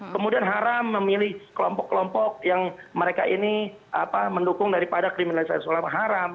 kemudian haram memilih kelompok kelompok yang mereka ini mendukung daripada kriminalisasi ulama haram